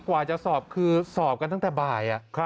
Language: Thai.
กว่าจะสอบคือสอบกันตั้งแต่บ่าย